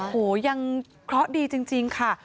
โหยังเคราะห์ดีจริงค่ะ